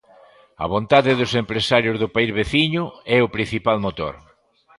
A vontade dos empresarios do país veciño é o principal motor.